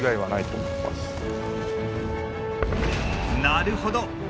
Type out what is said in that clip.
なるほど！